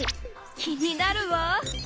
気になるわ。